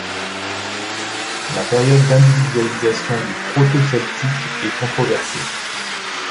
La période d'individualisation du proto-celtique est controversée.